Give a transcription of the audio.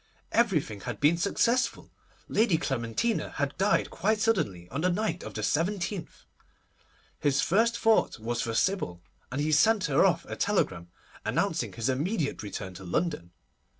Everything had been successful. Lady Clementina had died quite suddenly on the night of the 17th! His first thought was for Sybil, and he sent her off a telegram announcing his immediate return to London.